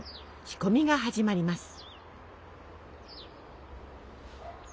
仕込みが始まります。